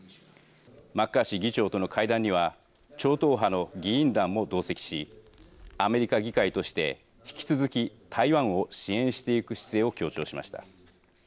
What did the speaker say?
マッカーシー議長との会談には超党派の議員団も同席しアメリカ議会として引き続き台湾を支援していく姿勢を強調しました。